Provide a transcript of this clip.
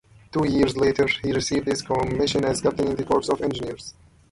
Two years later he received his commission as captain in the Corps of Engineers.